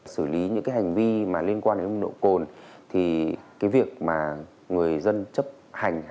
xử lý những hành vi liên quan đến nông độ cồn thì cái việc mà người dân chấp hành